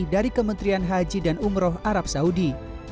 dari kementerian haji dan umroh arab saudi